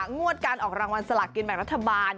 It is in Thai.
งวดการออกรางวัลสลากกินแบ่งรัฐบาล